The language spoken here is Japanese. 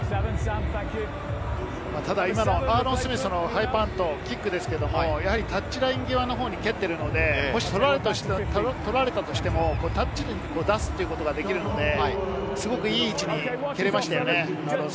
アーロン・スミスのハイパント、キックですけれども、タッチライン際のほうに蹴っているので、取られたとしてもタッチに出すということができるので、すごくいい位置に蹴ることができましたね。